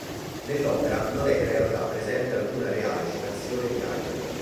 Nell'opera non è in realtà presente alcuna reale citazione di Haydn.